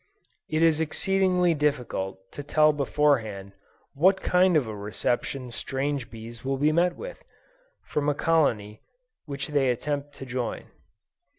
It is exceedingly difficult, to tell before hand, what kind of a reception strange bees will meet with, from a colony which they attempt to join.